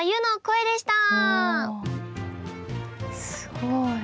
すごい。